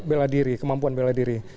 bela diri kemampuan bela diri